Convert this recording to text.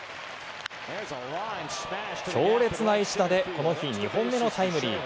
強烈な一打でこの日２本目のタイムリー。